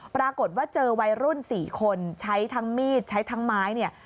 ปรากฏว่าเจอวัยรุ่น๔คนใช้ทั้งมีดใช้ทั้งไม้เนี่ย